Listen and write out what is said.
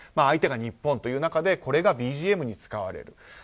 相手が日本という中でこれがＢＧＭに使われる。